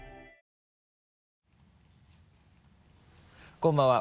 こんばんは。